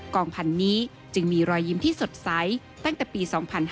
งพันธุ์นี้จึงมีรอยยิ้มที่สดใสตั้งแต่ปี๒๕๕๙